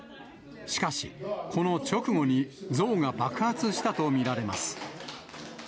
しかし、この直後に像が爆発したと見られます。